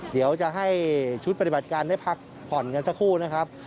เดี๋ยวจะให้ชุดปฏิบัติการได้พักผ่อนกันสักครู่นะครับ